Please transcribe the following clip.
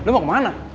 lu mau kemana